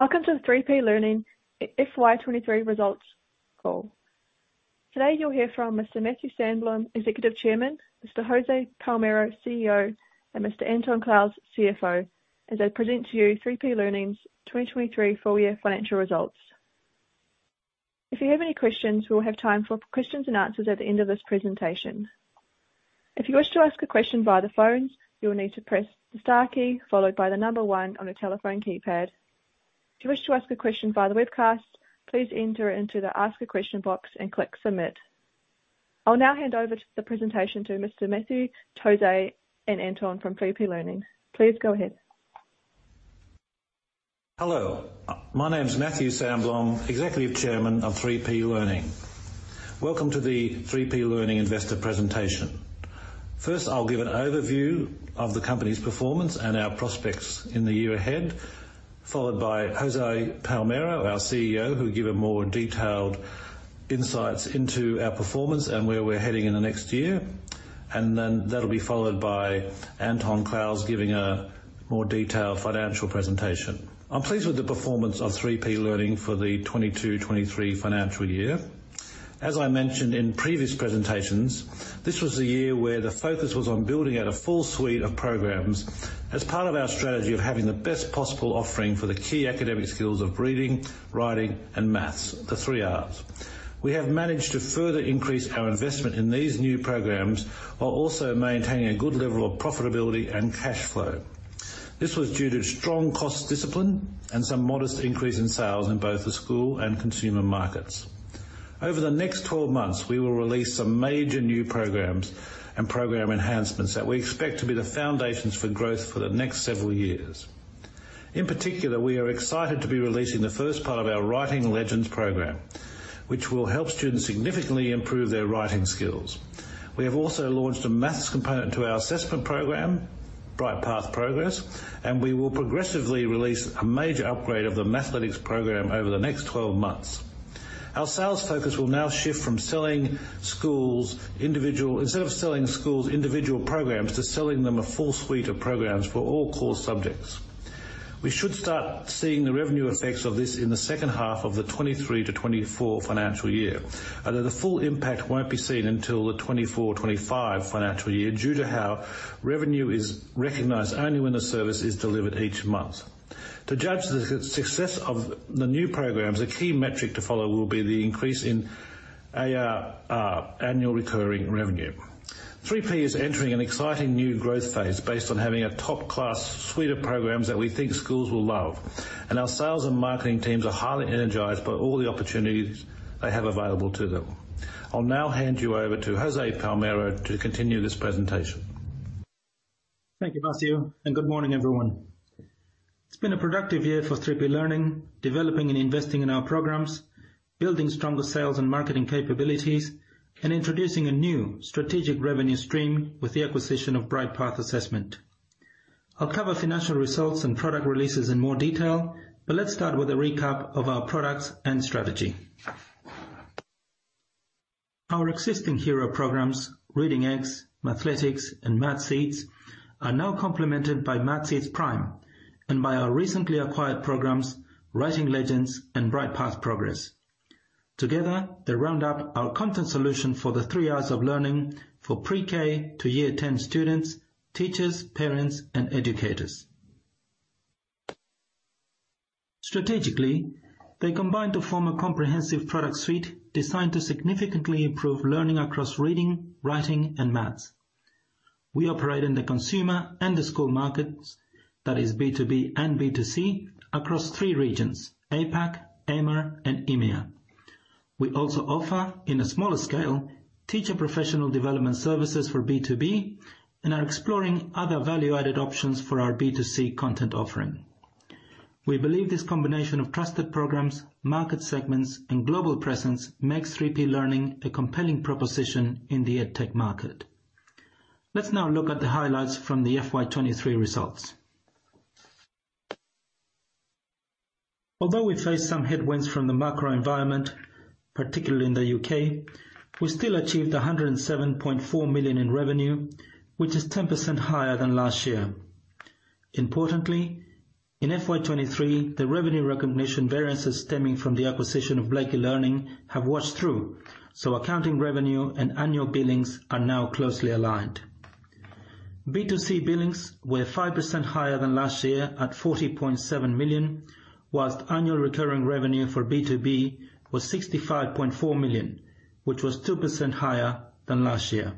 Welcome to the 3P Learning FY 2023 results call. Today, you'll hear from Mr. Matthew Sandblom, Executive Chairman, Mr. Jose Palmero, CEO, and Mr. Anton Clowes, CFO, as they present to you 3P Learning's 2023 full year financial results. If you have any questions, we'll have time for questions and answers at the end of this presentation. If you wish to ask a question via the phone, you will need to press the star key followed by the number one on a telephone keypad. If you wish to ask a question via the webcast, please enter it into the Ask a Question box and click Submit. I'll now hand over to the presentation to Mr. Matthew, Jose, and Anton from 3P Learning. Please go ahead. Hello, my name is Matthew Sandblom, Executive Chairman of 3P Learning. Welcome to the 3P Learning Investor Presentation. First, I'll give an overview of the company's performance and our prospects in the year ahead, followed by José Palmero, our CEO, who'll give a more detailed insights into our performance and where we're heading in the next year. Then that'll be followed by Anton Clowes giving a more detailed financial presentation. I'm pleased with the performance of 3P Learning for the 2022-2023 financial year. As I mentioned in previous presentations, this was a year where the focus was on building out a full suite of programs as part of our strategy of having the best possible offering for the key academic skills of reading, writing, and math, the three Rs. We have managed to further increase our investment in these new programs, while also maintaining a good level of profitability and cash flow. This was due to strong cost discipline and some modest increase in sales in both the school and consumer markets. Over the next 12 months, we will release some major new programs and program enhancements that we expect to be the foundations for growth for the next several years. In particular, we are excited to be releasing the first part of our Writing Legends program, which will help students significantly improve their writing skills. We have also launched a math component to our assessment program, Brightpath Progress, and we will progressively release a major upgrade of the Mathletics program over the next 12 months. Our sales focus will now shift from selling schools individual, Instead of selling schools individual programs, to selling them a full suite of programs for all core subjects. We should start seeing the revenue effects of this in the second half of the 2023-2024 financial year, although the full impact won't be seen until the 2024/2025 financial year, due to how revenue is recognized only when the service is delivered each month. To judge the success of the new programs, a key metric to follow will be the increase in ARR, annual recurring revenue. 3P is entering an exciting new growth phase based on having a top-class suite of programs that we think schools will love, our sales and marketing teams are highly energized by all the opportunities they have available to them. I'll now hand you over to Jose Palmero to continue this presentation. Thank you, Matthew. Good morning, everyone. It's been a productive year for 3P Learning, developing and investing in our programs, building stronger sales and marketing capabilities, and introducing a new strategic revenue stream with the acquisition of Brightpath Assessment. I'll cover financial results and product releases in more detail. Let's start with a recap of our products and strategy. Our existing hero programs, Reading Eggs, Mathletics, and Mathseeds, are now complemented by Mathseeds Prime and by our recently acquired programs, Writing Legends and Brightpath Progress. Together, they round up our content solution for the three Rs of learning for pre-K to Year 10 students, teachers, parents, and educators. Strategically, they combine to form a comprehensive product suite designed to significantly improve learning across reading, writing, and maths. We operate in the consumer and the school markets, that is B2B and B2C, across three regions, APAC, AMER, and EMEA. We also offer, in a smaller scale, teacher professional development services for B2B, and are exploring other value-added options for our B2C content offering. We believe this combination of trusted programs, market segments, and global presence makes 3P Learning a compelling proposition in the EdTech market. Let's now look at the highlights from the FY 2023 results. Although we faced some headwinds from the macro environment, particularly in the U.K., we still achieved 107.4 million in revenue, which is 10% higher than last year. Importantly, in FY 2023, the revenue recognition variances stemming from the acquisition of Blake eLearning have washed through, so accounting revenue and annual billings are now closely aligned. B2C billings were 5% higher than last year, at 40.7 million, whilst annual recurring revenue for B2B was 65.4 million, which was 2% higher than last year.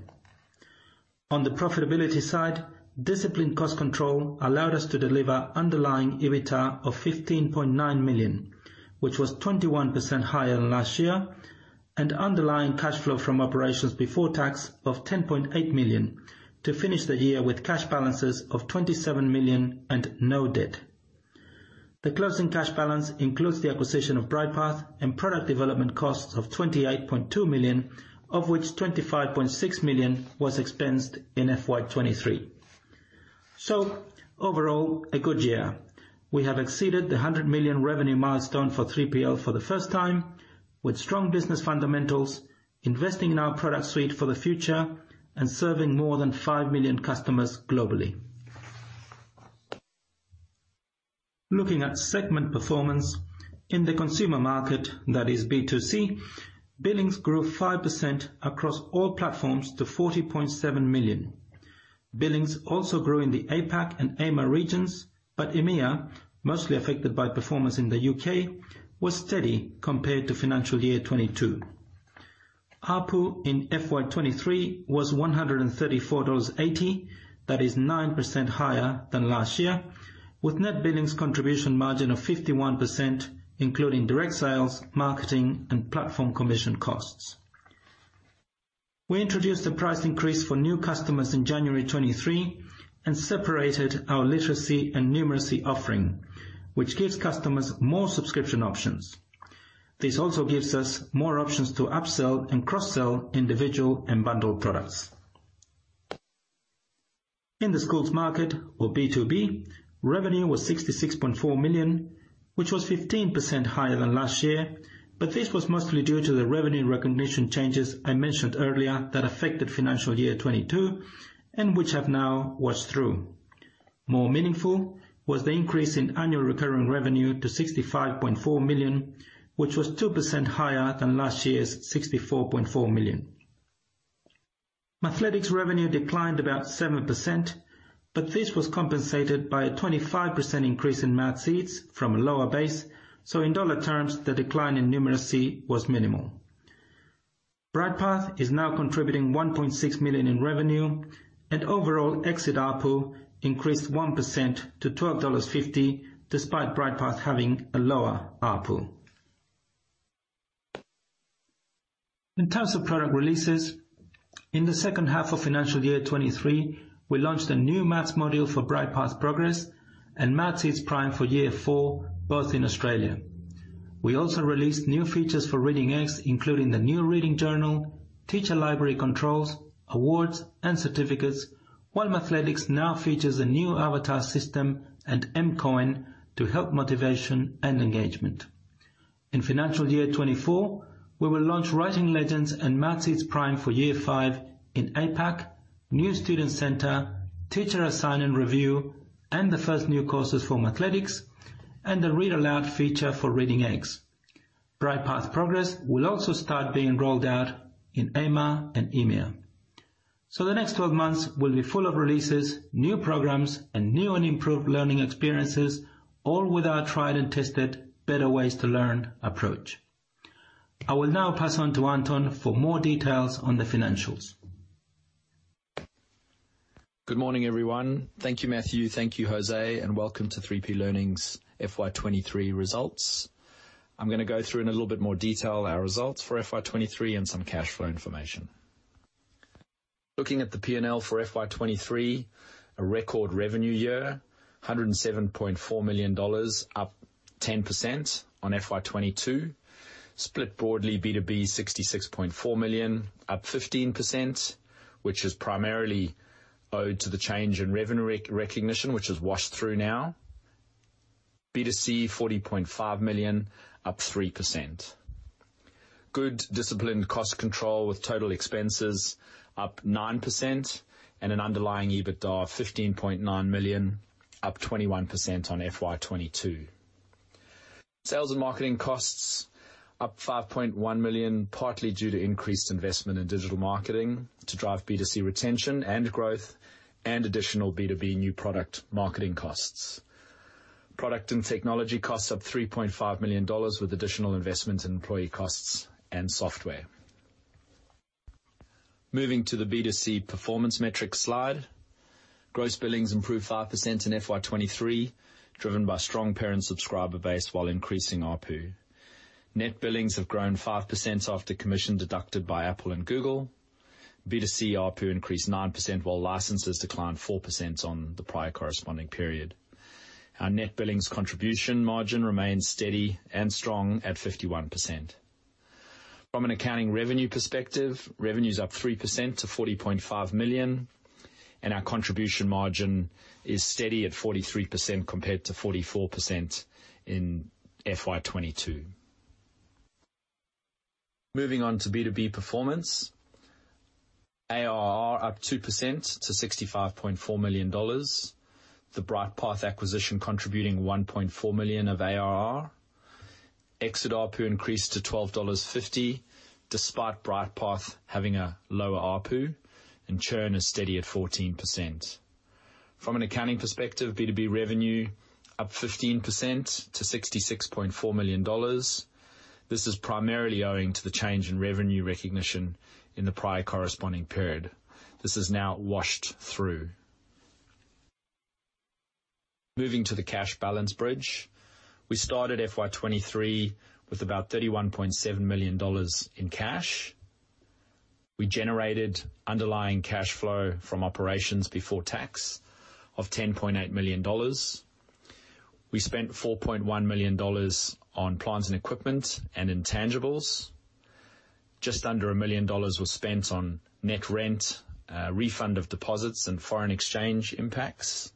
On the profitability side, disciplined cost control allowed us to deliver underlying EBITDA of 15.9 million, which was 21% higher than last year, and underlying cash flow from operations before tax of 10.8 million, to finish the year with cash balances of 27 million and no debt. Overall, a good year. The closing cash balance includes the acquisition of Brightpath and product development costs of 28.2 million, of which 25.6 million was expensed in FY 2023. We have exceeded the 100 million revenue milestone for 3PL for the first time with strong business fundamentals, investing in our product suite for the future, and serving more than five million customers globally. Looking at segment performance, in the consumer market, that is B2C, billings grew 5% across all platforms to 40.7 million. Billings also grew in the APAC and AMER regions, EMEA, mostly affected by performance in the U.K., was steady compared to financial year 2022. ARPU in FY 2023 was AUD 134.80, that is 9% higher than last year, with net billings contribution margin of 51%, including direct sales, marketing, and platform commission costs. We introduced a price increase for new customers in January 2023, separated our literacy and numeracy offering, which gives customers more subscription options. This also gives us more options to upsell and cross-sell individual and bundled products. In the schools market, or B2B, revenue was 66.4 million, which was 15% higher than last year, but this was mostly due to the revenue recognition changes I mentioned earlier that affected financial year 2022, and which have now washed through. More meaningful was the increase in annual recurring revenue to 65.4 million, which was 2% higher than last year's 64.4 million. Mathletics revenue declined about 7%, but this was compensated by a 25% increase in Mathseeds from a lower base, so in dollar terms, the decline in numeracy was minimal. Brightpath is now contributing 1.6 million in revenue, and overall exit ARPU increased 1% to 12.50 dollars, despite Brightpath having a lower ARPU. In terms of product releases, in the second half of financial year 2023, we launched a new maths module for Brightpath Progress and Mathseeds Prime for year four, both in Australia. We also released new features for Reading Eggs, including the new reading journal, teacher library controls, awards, and certificates, while Mathletics now features a new avatar system and M coin to help motivation and engagement. In financial year 2024, we will launch Writing Legends and Mathseeds Prime for year five in APAC, new student center, teacher assign and review, and the first new courses for Mathletics, and the read aloud feature for Reading Eggs. Brightpath Progress will also start being rolled out in AMER and EMEA. The next 12 months will be full of releases, new programs, and new and improved learning experiences, all with our tried and tested better ways to learn approach. I will now pass on to Anton for more details on the financials. Good morning, everyone. Thank you, Matthew. Thank you, Jose, and welcome to 3P Learning's FY 2023 results. I'm gonna go through in a little bit more detail our results for FY 2023 and some cash flow information. Looking at the P&L for FY 2023, a record revenue year, 107.4 million dollars, up 10% on FY 2022. Split broadly, B2B, 66.4 million, up 15%, which is primarily owed to the change in revenue recognition, which is washed through now. B2C, 40.5 million, up 3%. Good disciplined cost control with total expenses up 9% and an underlying EBITDA of 15.9 million, up 21% on FY 2022. Sales and marketing costs up 5.1 million, partly due to increased investment in digital marketing to drive B2C retention and growth, and additional B2B new product marketing costs. Product and technology costs up 3.5 million dollars with additional investments in employee costs and software. Moving to the B2C performance metric slide. Gross billings improved 5% in FY 2023, driven by strong parent subscriber base while increasing ARPU. Net billings have grown 5% after commission deducted by Apple and Google. B2C ARPU increased 9%, while licenses declined 4% on the prior corresponding period. Our net billings contribution margin remains steady and strong at 51%. From an accounting revenue perspective, revenue is up 3% to 40.5 million, and our contribution margin is steady at 43%, compared to 44% in FY22. Moving on to B2B performance. ARR up 2% to 65.4 million dollars. The Brightpath acquisition contributing 1.4 million of ARR. Exit ARPU increased to 12.50 dollars, despite Brightpath having a lower ARPU. Churn is steady at 14%. From an accounting perspective, B2B revenue up 15% to 66.4 million dollars. This is primarily owing to the change in revenue recognition in the prior corresponding period. This is now washed through. Moving to the cash balance bridge. We started FY 2023 with about 31.7 million dollars in cash. We generated underlying cash flow from operations before tax of 10.8 million dollars. We spent 4.1 million dollars on plants and equipment and intangibles. Just under 1 million dollars was spent on net rent, refund of deposits and foreign exchange impacts,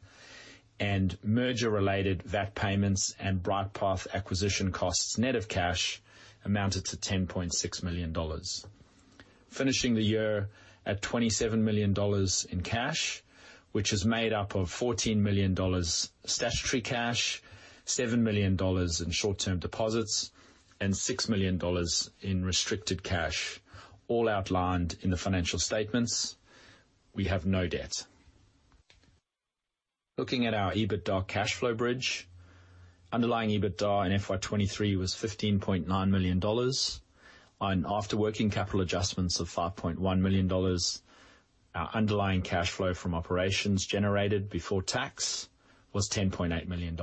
and merger-related VAT payments and Brightpath acquisition costs, net of cash, amounted to 10.6 million dollars. finishing the year at 27 million dollars in cash, which is made up of 14 million dollars statutory cash, 7 million dollars in short-term deposits, and 6 million dollars in restricted cash, all outlined in the financial statements. We have no debt. Looking at our EBITDA cash flow bridge, underlying EBITDA in FY 2023 was AUD 15.9 million, on after working capital adjustments of AUD 5.1 million. Our underlying cash flow from operations generated before tax was AUD 10.8 million.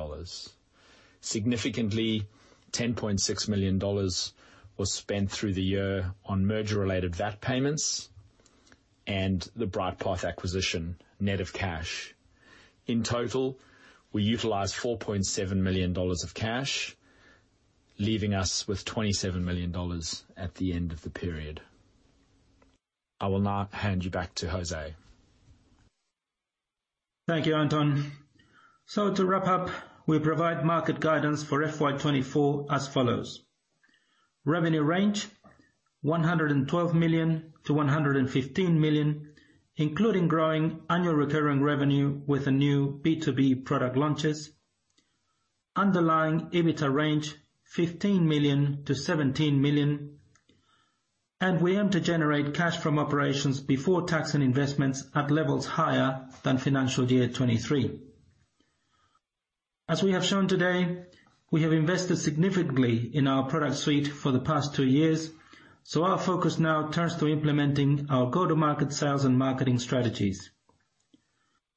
Significantly, AUD 10.6 million was spent through the year on merger-related VAT payments and the Brightpath acquisition, net of cash. In total, we utilized 4.7 million dollars of cash, leaving us with 27 million dollars at the end of the period. I will now hand you back to Jose. Thank you, Anton. To wrap up, we provide market guidance for FY 2024 as follows: Revenue range: 112 million-115 million, including growing annual recurring revenue with the new B2B product launches. Underlying EBITDA range: 15 million-17 million. We aim to generate cash from operations before tax and investments at levels higher than financial year 2023. As we have shown today, we have invested significantly in our product suite for the past two years. Our focus now turns to implementing our go-to-market sales and marketing strategies.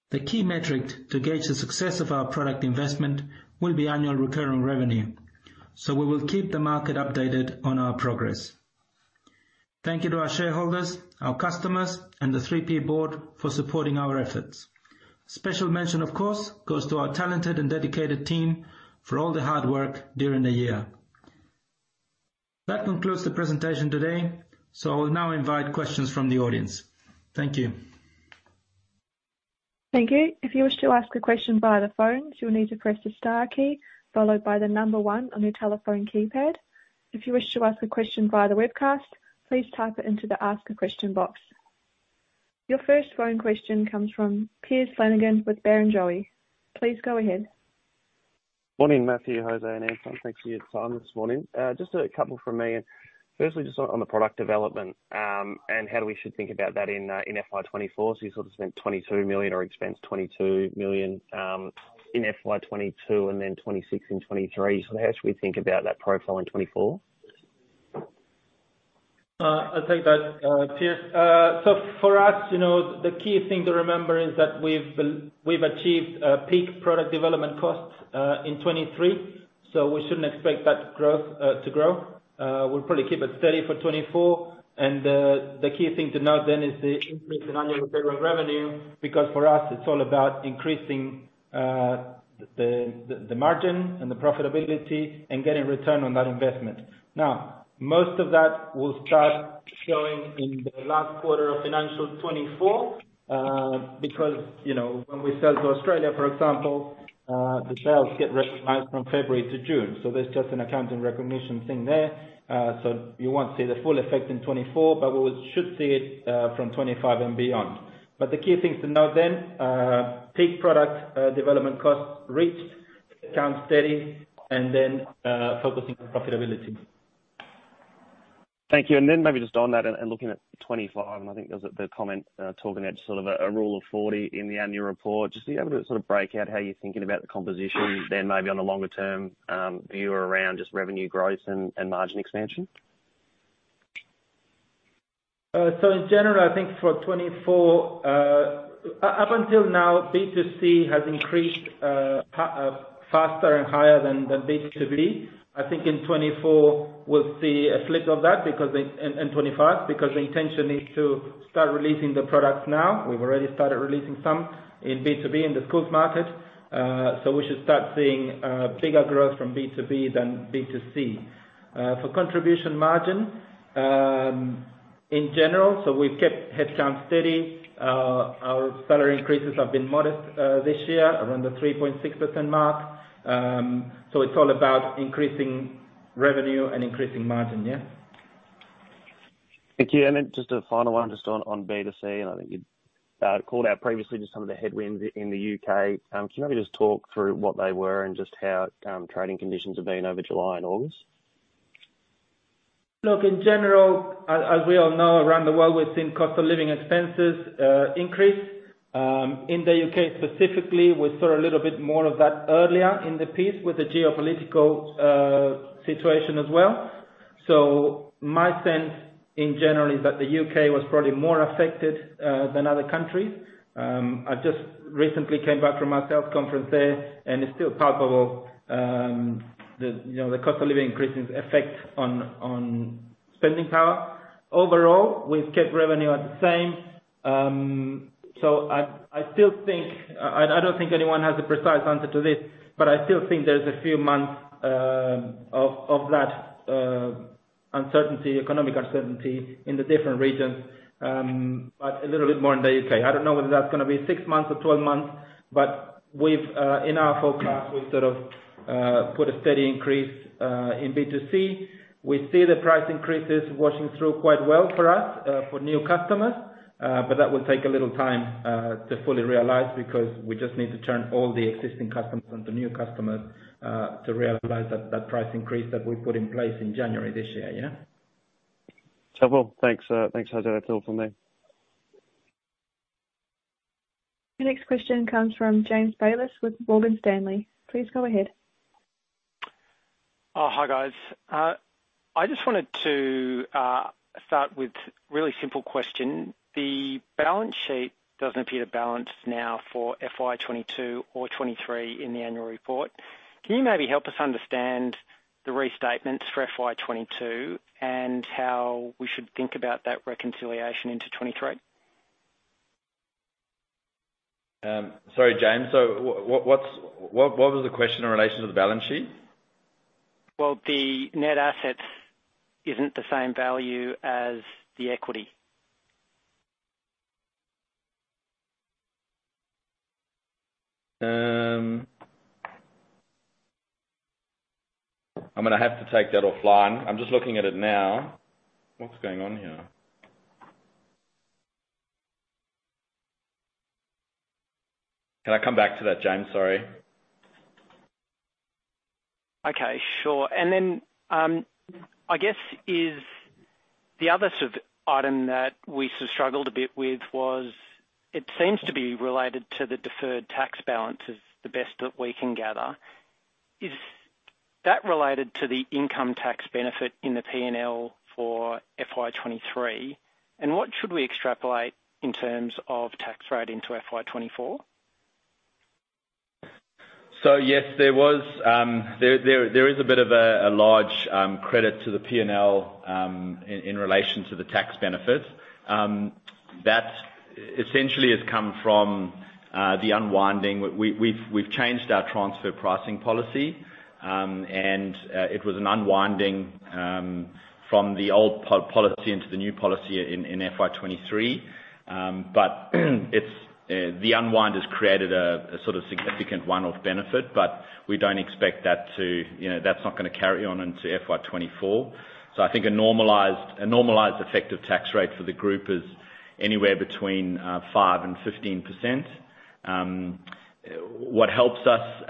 The key metric to gauge the success of our product investment will be annual recurring revenue. We will keep the market updated on our progress. Thank you to our shareholders, our customers, and the 3P board for supporting our efforts. Special mention, of course, goes to our talented and dedicated team for all the hard work during the year. That concludes the presentation today, so I will now invite questions from the audience. Thank you. Thank you. If you wish to ask a question via the phone, you'll need to press the star key followed by the number one on your telephone keypad. If you wish to ask a question via the webcast, please type it into the Ask a Question box. Your first phone question comes from Piers Flanagan with Barrenjoey. Please go ahead. Morning, Matthew, Jose, and Anton. Thank you for your time this morning. Just a couple from me, firstly, just on, on the product development, and how we should think about that in FY 2024. You sort of spent 22 million or expensed 22 million, in FY 2022 and then 26 million in 2023. How should we think about that profile in 2024? I'll take that, Piers. So for us, you know, the key thing to remember is that we've achieved peak product development costs in 2023, so we shouldn't expect that growth to grow. We'll probably keep it steady for 2024. The key thing to note then is the increase in Annual Recurring Revenue, because for us, it's all about increasing the, the, the margin and the profitability and getting return on that investment. Now, most of that will start showing in the last quarter of financial 2024, because, you know, when we sell to Australia, for example, the sales get recognized from February to June, so there's just an accounting recognition thing there. So you won't see the full effect in 2024, but we should see it from 2025 and beyond. The key things to note then, peak product development costs reached, count steady, and then focusing on profitability. Thank you. Then maybe just on that and, and looking at 2025, and I think there was a, the comment, talking about just sort of a, a Rule of 40 in the annual report. Just be able to sort of break out how you're thinking about the composition then maybe on the longer term, view around just revenue growth and, and margin expansion? In general, I think for 2024, up until now, B2C has increased faster and higher than, than B2B. I think in 2024, we'll see a flip of that because the 2025, because the intention is to start releasing the products now. We've already started releasing some in B2B in the schools market. We should start seeing bigger growth from B2B than B2C. For contribution margin, in general, we've kept headcount steady. Our salary increases have been modest this year, around the 3.6% mark. It's all about increasing revenue and increasing margin. Yeah. Thank you. Just a final one, just on, on B2C, and I think you'd, called out previously just some of the headwinds in the UK. Can you maybe just talk through what they were and just how, trading conditions have been over July and August? In general, as we all know, around the world, we've seen cost of living expenses increase. In the U.K. specifically, we saw a little bit more of that earlier in the piece with the geopolitical situation as well. My sense in general is that the U.K. was probably more affected than other countries. I just recently came back from a sales conference there, and it's still palpable, the, you know, the cost of living increasing effect on, on spending power. Overall, we've kept revenue at the same, so I, I still think, I don't think anyone has a precise answer to this, but I still think there's a few months of, of that uncertainty, economic uncertainty in the different regions, but a little bit more in the U.K. I don't know whether that's gonna be six months or 12 months. We've, in our forecast, we've sort of, put a steady increase, in B2C. We see the price increases washing through quite well for us, for new customers, but that will take a little time, to fully realize because we just need to turn all the existing customers into new customers, to realize that, that price increase that we put in place in January this year, yeah? Trouble. Thanks, thanks, Jose, that's all from me. The next question comes from James Bayliss with Morgan Stanley. Please go ahead. Hi, guys. I just wanted to start with really simple question. The balance sheet doesn't appear to balance now for FY 2022 or FY 2023 in the annual report. Can you maybe help us understand the restatements for FY 2022, and how we should think about that reconciliation into 2023? sorry, James. What's, what was the question in relation to the balance sheet? Well, the net assets isn't the same value as the equity. I'm gonna have to take that offline. I'm just looking at it now. What's going on here? Can I come back to that, James? Sorry. Okay, sure. Then, I guess, is the other sort of item that we sort of struggled a bit with was, it seems to be related to the deferred tax balance, is the best that we can gather. Is that related to the income tax benefit in the P&L for FY 2023? What should we extrapolate in terms of tax rate into FY 2024? Yes, there was, there is a bit of a, a large credit to the P&L in, in relation to the tax benefit. That's essentially has come from the unwinding. We've, we've changed our transfer pricing policy, and it was an unwinding from the old policy into the new policy in FY 2023. It's, the unwind has created a, a sort of significant one-off benefit, but we don't expect that to. You know, that's not gonna carry on into FY 2024. I think a normalized, a normalized effective tax rate for the group is anywhere between 5% and 15%. What helps us,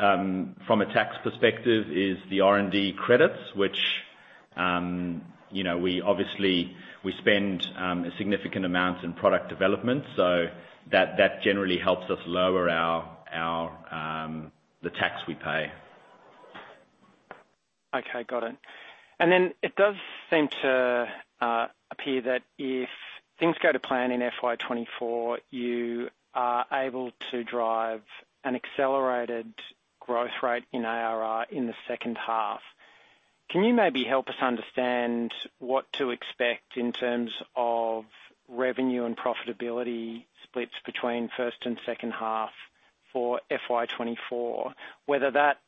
from a tax perspective is the R&D credits, which, you know, we obviously, we spend, a significant amount in product development, so that, that generally helps us lower our, our, the tax we pay. Okay, got it. It does seem to appear that if things go to plan in FY 2024, you are able to drive an accelerated growth rate in ARR in the second half. Can you maybe help us understand what to expect in terms of revenue and profitability splits between first and second half for FY 2024? Whether that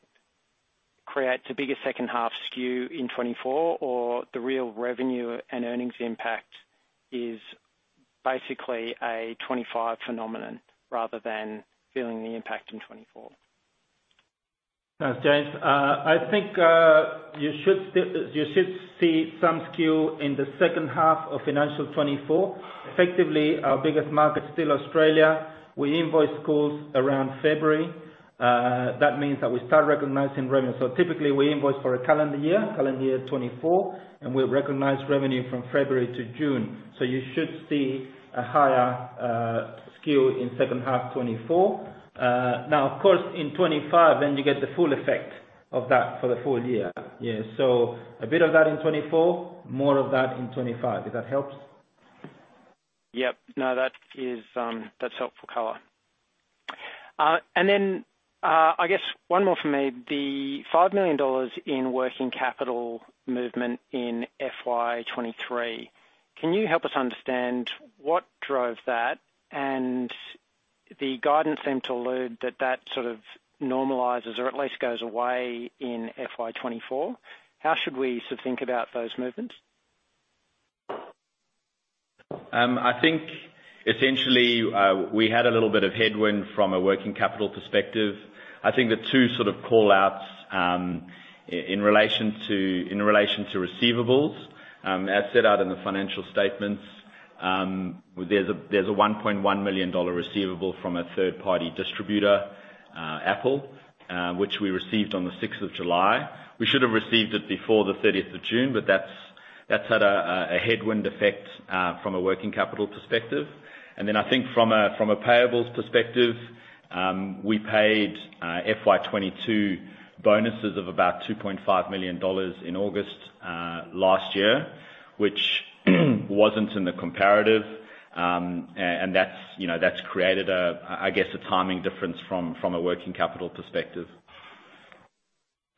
creates a bigger second half skew in 2024, or the real revenue and earnings impact is basically a 2025 phenomenon rather than feeling the impact in 2024. James, I think, you should see some skew in the second half of financial 2024. Effectively, our biggest market is still Australia. We invoice schools around February, that means that we start recognizing revenue. Typically, we invoice for a calendar year, calendar year 2024, and we recognize revenue from February to June. You should see a higher skew in second half 2024. Now, of course, in 2025, then you get the full effect of that for the full year. Yeah, a bit of that in 2024, more of that in 2025. If that helps? Yep. No, that is, that's helpful color. Then, I guess one more from me, the 5 million dollars in working capital movement in FY 2023, can you help us understand what drove that? The guidance seemed to allude that that sort of normalizes or at least goes away in FY 2024. How should we sort of think about those movements? I think essentially, we had a little bit of headwind from a working capital perspective. I think the two sort of call-outs, in relation to, in relation to receivables, as set out in the financial statements, there's a, there's a 1.1 million dollar receivable from a third-party distributor, Apple, which we received on the 6th of July. We should have received it before the 30th of June, but that's, that's had a, a headwind effect, from a working capital perspective. Then I think from a, from a payables perspective, we paid FY 2022 bonuses of about 2.5 million dollars in August last year, which wasn't in the comparative. That's, you know, that's created a, I guess, a timing difference from, from a working capital perspective.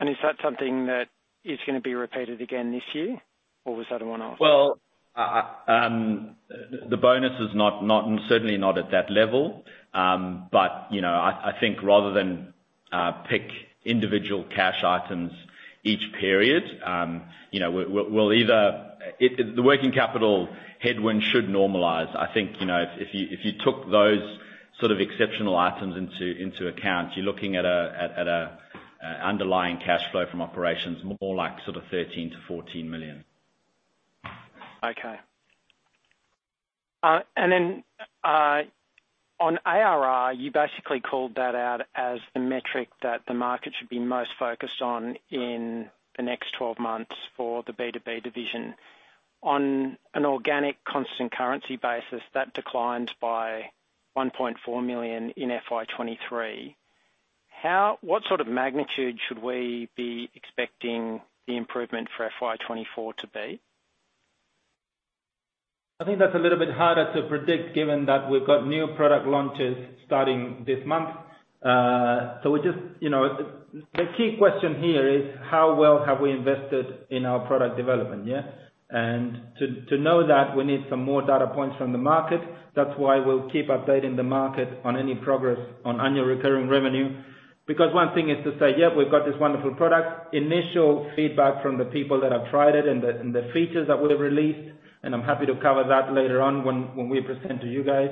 Is that something that is gonna be repeated again this year, or was that a one-off? Well, the bonus is not, not, certainly not at that level. You know, I, I think rather than pick individual cash items each period, you know, we, we'll, we'll either, the working capital headwind should normalize. I think, you know, if, if you, if you took those sort of exceptional items into, into account, you're looking at a underlying cash flow from operations, more like sort of 13 million-14 million. On ARR, you basically called that out as the metric that the market should be most focused on in the next 12 months for the B2B division. On an organic, constant currency basis, that declined by 1.4 million in FY 2023. What sort of magnitude should we be expecting the improvement for FY24 to be? I think that's a little bit harder to predict, given that we've got new product launches starting this month. We just, you know, the key question here is: How well have we invested in our product development? To know that, we need some more data points from the market. That's why we'll keep updating the market on any progress on annual recurring revenue. One thing is to say, "Yep, we've got this wonderful product." Initial feedback from the people that have tried it, and the features that we have released, and I'm happy to cover that later on when we present to you guys,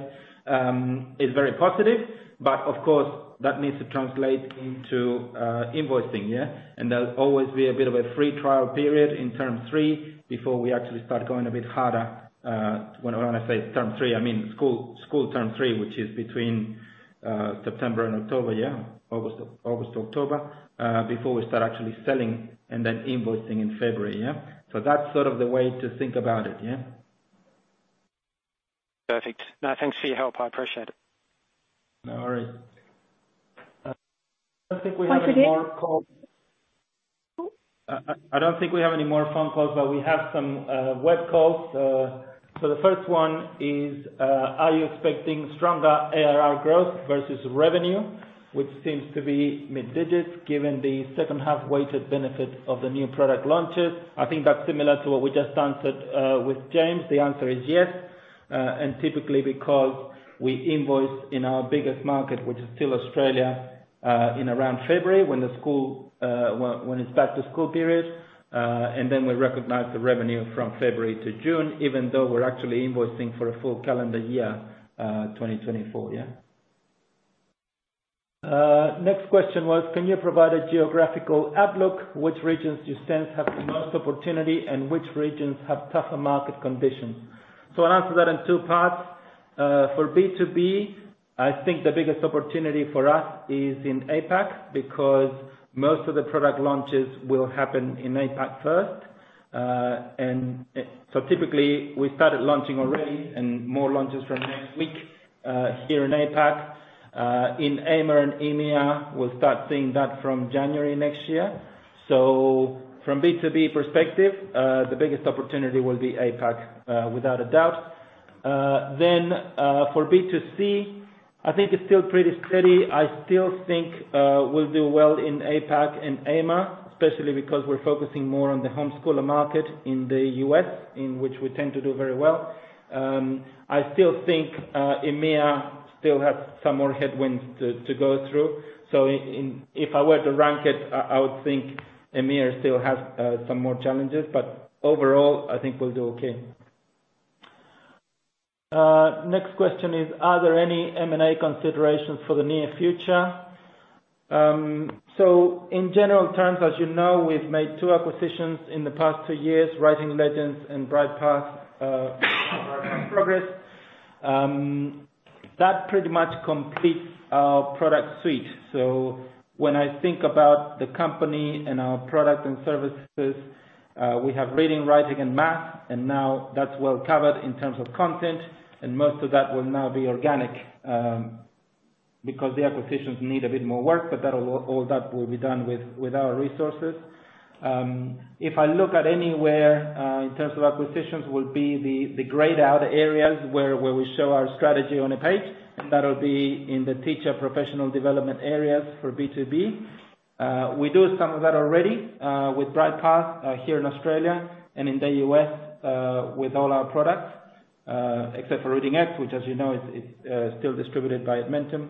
is very positive, but of course, that needs to translate into invoicing. There'll always be a bit of a free trial period in term three, before we actually start going a bit harder. When, when I say term three, I mean school, school term three, which is between September and October, yeah, August, August to October, before we start actually selling and then invoicing in February, yeah? That's sort of the way to think about it, yeah. Perfect. Thanks for your help. I appreciate it. No worries. I don't think we have any more calls. I don't think we have any more phone calls, but we have some web calls. The first one is, are you expecting stronger ARR growth versus revenue, which seems to be mid-digits, given the second half-weighted benefits of the new product launches? I think that's similar to what we just answered with James. The answer is yes, typically because we invoice in our biggest market, which is still Australia, in around February, when the school, when it's back-to-school period, then we recognize the revenue from February to June, even though we're actually invoicing for a full calendar year, 2024. Next question was: Can you provide a geographical outlook? Which regions do you sense have the most opportunity, and which regions have tougher market conditions? I'll answer that in two parts. For B2B, I think the biggest opportunity for us is in APAC, because most of the product launches will happen in APAC first. Typically, we started launching already, and more launches from next week here in APAC. In AMER and EMEA, we'll start seeing that from January next year. From B2B perspective, the biggest opportunity will be APAC, without a doubt. For B2C, I think it's still pretty steady. I still think we'll do well in APAC and AMER, especially because we're focusing more on the homeschooler market in the US, in which we tend to do very well. I still think EMEA still has some more headwinds to, to go through. If I were to rank it, I, I would think EMEA still has some more challenges, but overall, I think we'll do okay. Next question is: Are there any M&A considerations for the near future? In general terms, as you know, we've made two acquisitions in the past two years, Writing Legends and Brightpath Progress. That pretty much completes our product suite. When I think about the company and our products and services, we have reading, writing, and math, and now that's well covered in terms of content, and most of that will now be organic, because the acquisitions need a bit more work, but that'll all, all that will be done with, with our resources. If I look at anywhere, in terms of acquisitions, will be the, the grayed out areas where, where we show our strategy on a page, that'll be in the teacher professional development areas for B2B. We do some of that already, with Brightpath, here in Australia and in the US, with all our products, except for Reading Eggs, which, as you know, is, is, still distributed by Edmentum.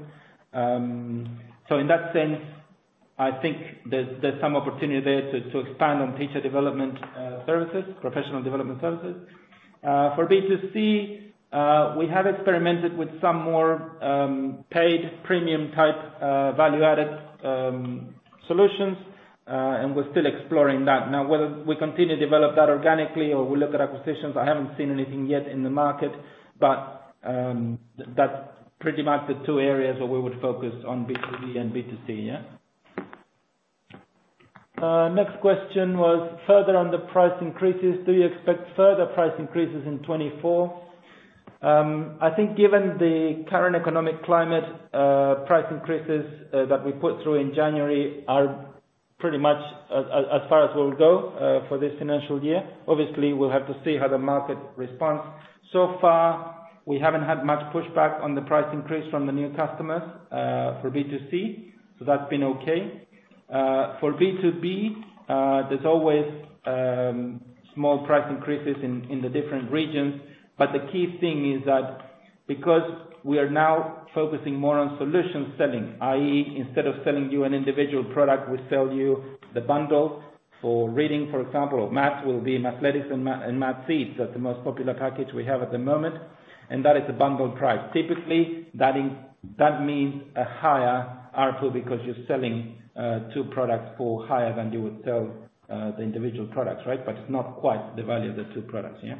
So in that sense, I think there's, there's some opportunity there to, to expand on teacher development, services, professional development services. For B2C, we have experimented with some more, paid premium-type, value-added, solutions, and we're still exploring that. Whether we continue to develop that organically or we look at acquisitions, I haven't seen anything yet in the market, but that's pretty much the two areas where we would focus on B2B and B2C, yeah? Next question was: Further on the price increases, do you expect further price increases in 2024? I think given the current economic climate, price increases that we put through in January are pretty much as far as we'll go for this financial year. Obviously, we'll have to see how the market responds. So far, we haven't had much pushback on the price increase from the new customers for B2C, so that's been okay. for B2B, there's always small price increases in, in the different regions, but the key thing is that because we are now focusing more on solution selling, i.e., instead of selling you an individual product, we sell you the bundle for reading, for example, or math will be Mathletics and Mathseeds. That's the most popular package we have at the moment, and that is a bundled price. Typically, that is- that means a higher ARPU because you're selling two products for higher than you would sell the individual products, right? But it's not quite the value of the two products, yeah.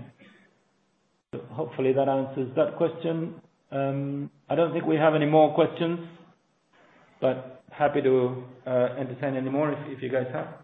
Hopefully, that answers that question. I don't think we have any more questions, but happy to entertain any more if, if you guys have.